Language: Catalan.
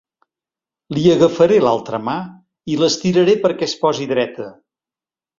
Li agafaré l'altra mà i l'estiraré perquè es posi dreta.